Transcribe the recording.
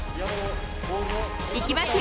いきますよ！